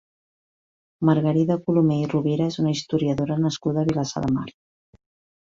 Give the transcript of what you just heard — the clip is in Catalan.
Margarida Colomer i Rovira és una historiadora nascuda a Vilassar de Mar.